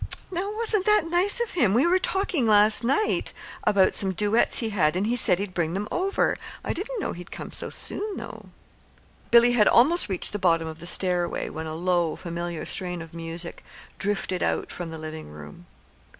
"Now wasn't that nice of him? We were talking last night about some duets he had, and he said he'd bring them over. I didn't know he'd come so soon, though." Billy had almost reached the bottom of the stairway, when a low, familiar strain of music drifted out from the living room.